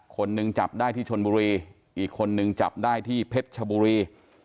คนหนึ่งจับได้ที่ชนบุรีอีกคนนึงจับได้ที่เพชรชบุรี